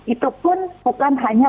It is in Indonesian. itu pun bukan hanya